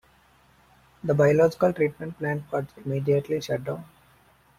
The biological treatment plant was immediately shut down.